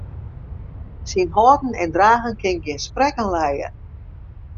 Syn hâlden en dragen kin gjin sprekken lije.